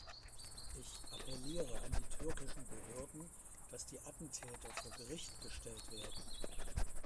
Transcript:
Ich appelliere an die türkischen Behörden, dass die Attentäter vor Gericht gestellt werden.